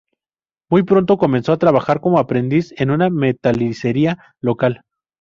Muy pronto comenzó a trabajar como aprendiz en una metalistería local.